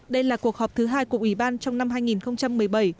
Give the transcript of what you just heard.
đây là cuộc họp thứ hai của ủy ban trong năm